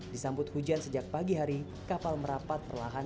disambut hujan sejak pagi hari kapal merapat perlahan